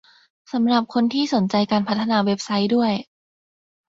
สำหรับคนที่สนใจการพัฒนาเว็บไซต์ด้วย